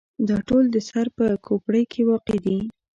دا ټول د سر په کوپړۍ کې واقع دي.